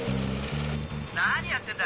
何やってんだ！